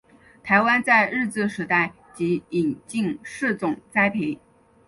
台湾在日治时代即引进试种栽培。